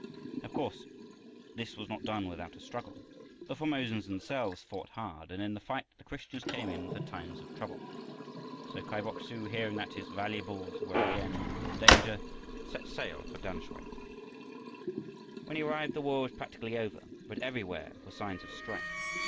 Of course this was not done without a struggle. The Formosans themselves fought hard, and in the fight the Christians came in for times of trouble. So Kai Bok su, hearing that his "valuables" were again in danger, set sail for Tamsui. When he arrived the war was practically over, but everywhere were signs of strife.